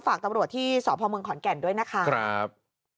ฝากตำรวจที่สพเมืองขอนแก่นด้วยนะคะครับ